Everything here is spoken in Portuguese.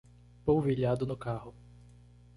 Polvilhado no carro